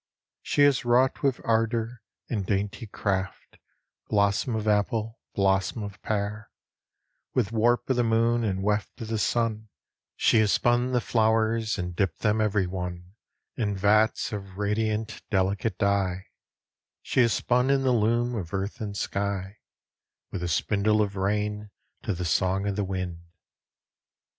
She has wrought with ardour and dainty craft Blossom of apple, blossom of pear, With warp of the moon and weft of the sun She has spun the flowers, And dipped them every one In vats of radiant delicate dye, She has spun in the loom of earth and sky, With a spindle of rain, to the song of the wind.